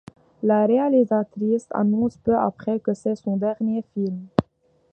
La réalisatrice annonce peu après que c'est son dernier film.